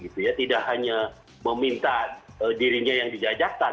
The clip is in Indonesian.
tidak hanya meminta dirinya yang dijajakan